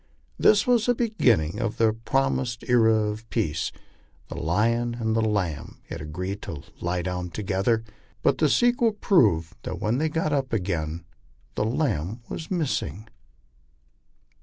This was the beginning of the promised era of peace. The lion and the lamb had agreed to lie down together, but the sequel proved that when they got up again ' the lamb wa* missing."